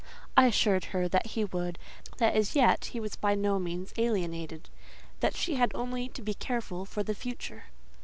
I assured her that he would; that as yet he was by no means alienated; that she had only to be careful for the future.